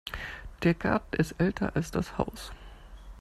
Der Garten ist älter als das Haus.